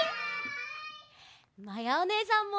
まやおねえさんも。